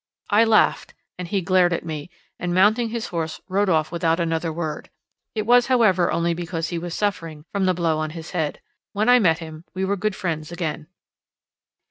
I laughed, and he glared at me, and mounting his horse, rode off without another word. It was, however, only because he was suffering from the blow on his head; when I met him we were good friends again.